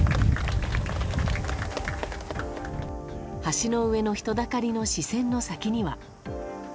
橋の上の人だかりの視線の先には。